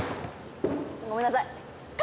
ごめんなさい